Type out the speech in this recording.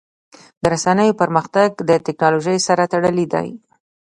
د رسنیو پرمختګ د ټکنالوژۍ سره تړلی دی.